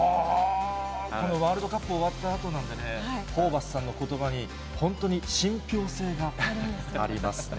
このワールドカップ終わったあとなんでね、ホーバスさんのことばに、本当に信ぴょう性がありますね。